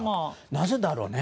なぜだろうね。